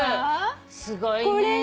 すごいね。